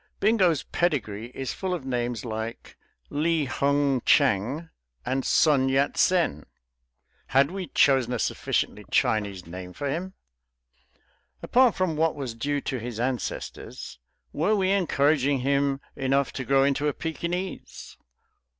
Bingo's pedigree is full of names like Li Hung Chang and Sun Yat Sen; had we chosen a sufficiently Chinese name for him? Apart from what was due to his ancestors, were we encouraging him enough to grow into a Pekinese?